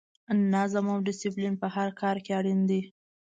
نظم او ډسپلین په هر کار کې اړین دی.